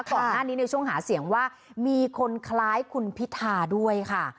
ก่อนหน้านี้ในช่วงหาเสียงว่ามีคนคล้ายคุณพิธาด้วยค่ะ